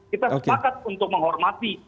kita sepakat untuk menghormati